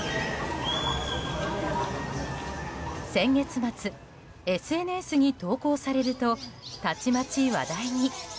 先月末、ＳＮＳに投稿されるとたちまち話題に。